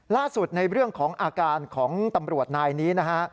ล่าสุดในเรื่องของอาการของตำรวจนายนี้นะฮะ